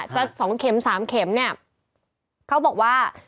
๒เข็ม๓เข็มเนี่ยเขาบอกว่า